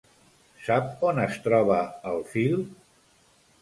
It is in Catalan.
Sap on es troba el fil?